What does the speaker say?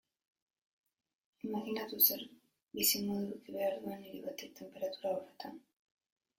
Imajinatu zer bizimodu eduki behar duen hiri batek tenperatura horretan.